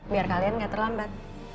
biar kalian gak terlambat